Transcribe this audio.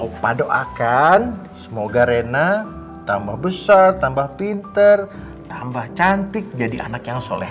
kita doakan semoga rena tambah besar tambah pinter tambah cantik jadi anak yang soleh